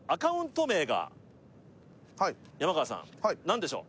はい山川さん何でしょう？